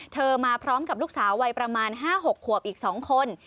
มาพร้อมกับลูกสาววัยประมาณ๕๖ขวบอีก๒คน